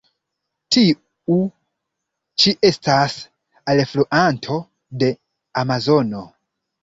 Tiu ĉi estas alfluanto de Amazono.